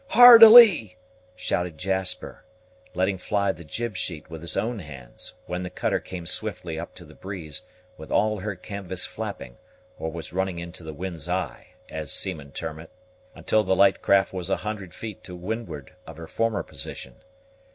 "Hard a lee!" shouted Jasper, letting fly the jib sheet with his own hands, when the cutter came swiftly up to the breeze, with all her canvas flapping, or was running into the wind's eye, as seamen term it, until the light craft was a hundred feet to windward of her former position.